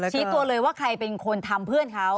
ชี้ตัวเลยว่าใครเป็นคนทำเพื่อนเขา